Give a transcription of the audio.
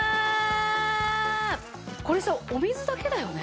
これさお水だけだよね？